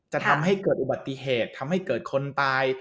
จะทำให้เกิดอุบัติเหตุทำให้เกิดคนตาย